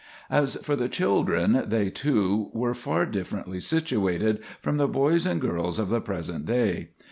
As for the children, they too were far differently situated from the boys and girls of the present day.